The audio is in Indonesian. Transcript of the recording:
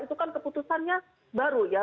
itu kan keputusannya baru ya